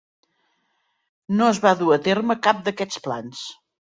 No es va dur a terme cap d'aquests plans.